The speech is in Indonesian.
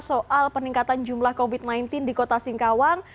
soal peningkatan jumlah covid sembilan belas di kota singkawang